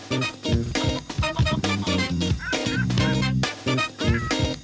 สวัสดีค่ะพบกันกันค่ะทุกท่าน